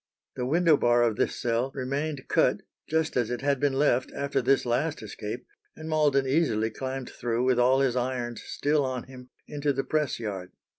The window bar of this cell remained cut just as it had been left after this last escape, and Malden easily climbed through with all his irons still on him into the press yard.